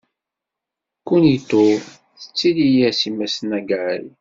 Kuniko tettili-as i Mass Nagai.